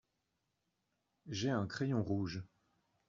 J'ai un crayon rouge.